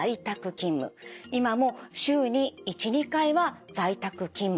今も週に１２回は在宅勤務。